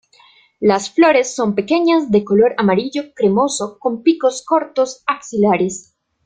Las flores son pequeñas, de color amarillo cremoso, con picos cortos axilares.